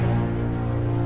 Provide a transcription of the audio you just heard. selamat siang pak